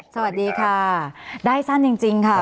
สวัสดีค่ะได้สั้นจริงค่ะ